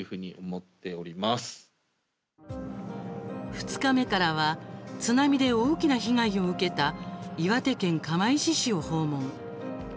２日目からは津波で大きな被害を受けた岩手県釜石市を訪問。